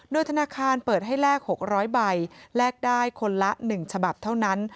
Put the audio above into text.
โดยธนาคารเปิดให้แลก๖๐๐ใบแลกได้คนละ๑ฉบับเท่านั้น